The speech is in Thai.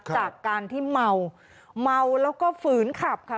จากการที่เมาเมาแล้วก็ฝืนขับค่ะ